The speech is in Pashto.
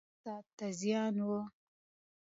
آیا دا کار اقتصاد ته زیان و؟